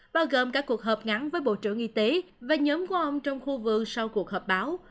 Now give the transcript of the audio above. bao gồm cả cuộc họp ngắn với bộ trưởng y tế và nhóm của ông trong khu vườn sau cuộc họp báo